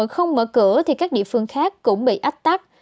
không mở cửa thì các địa phương khác cũng bị ách tắc